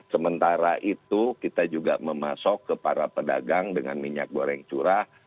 sementara itu kita juga memasok ke para pedagang dengan minyak goreng curah